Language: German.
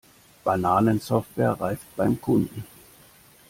Bananensoftware reift beim Kunden.